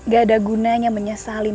gak ada gunanya menyesali